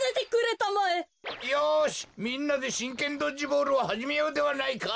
よしみんなでしんけんドッジボールをはじめようではないか！